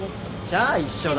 じゃあ一緒だ。